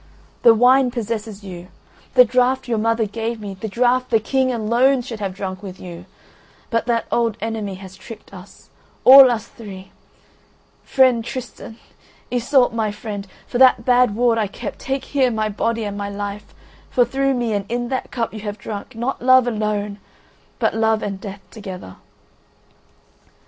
The wine possesses you, the draught your mother gave me, the draught the King alone should have drunk with you: but that old Enemy has tricked us, all us three; friend Tristan, Iseult my friend, for that bad ward I kept take here my body and my life, for through me and in that cup you have drunk not love alone, but love and death together."